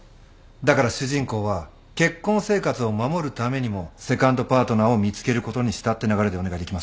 だから主人公は結婚生活を守るためにもセカンドパートナーを見つけることにしたって流れでお願いできますか？